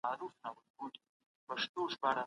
بشریت د ښکېلاک له منځه وړل غواړي.